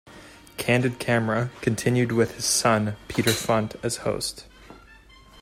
"Candid Camera" continued with his son, Peter Funt, as host.